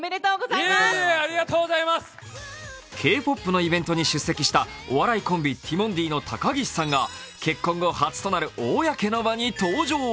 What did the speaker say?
Ｋ−ＰＯＰのイベントに出席したお笑いコンビティモンディの高岸さんが結婚後初となる公の場に登場。